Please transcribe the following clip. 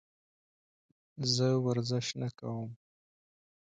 زه ورزش نه کوم.